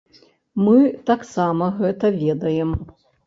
Мы таксама гэта ведаем.